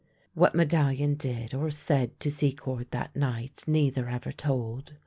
What Medallion did or said to Secord that night neither ever told.